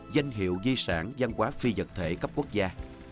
danh hiệu di sản văn hóa phi vật thể cấp quốc gia